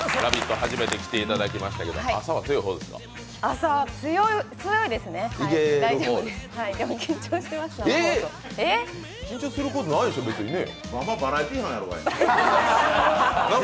初めて来ていただきましたけど朝は強い方ですか？